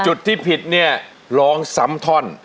จุดที่ผิดเนี่ยร้องซ้ำท่อน